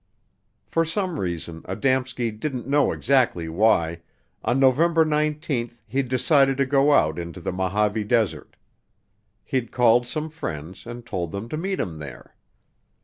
For some reason, Adamski didn't know exactly why, on November 19th he'd decided to go out into the Mojave Desert. He'd called some friends and told them to meet him there.